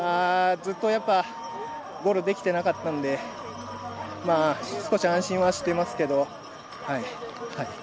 ずっとゴールできてなかったんで少し安心はしてますけど。